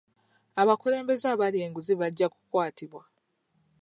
Abakulembeze abalya enguzi bajja kukwatibwa.